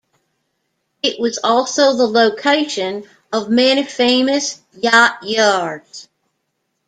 It was also the location of many famous yacht yards.